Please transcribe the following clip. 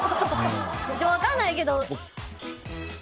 分からないけど。